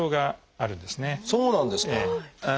そうなんですか。